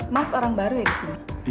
mas orang baru ya disini